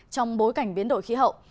trong bối cảnh biến đổi khí hậu